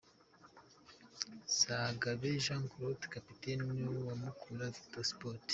Zagabe Jean Claude kapiteni wa Mukura Victory Sport.